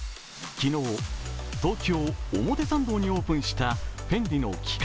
昨日、東京・表参道にオープンしたＦＥＮＤＩの期間